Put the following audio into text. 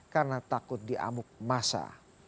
karena takut diamuk masa